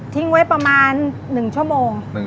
ทิ้งไว้ประมาณ๑ชั่วโมง